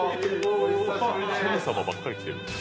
神様ばっかり来てる。